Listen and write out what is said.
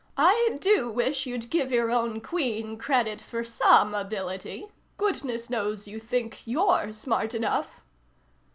"I do wish you'd give your own Queen credit for some ability. Goodness knows you think you're smart enough."